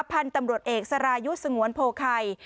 พันธุ์ตำรวจเอกสรายุทธ์สงวนโพไข่